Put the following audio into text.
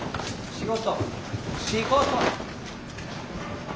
仕事！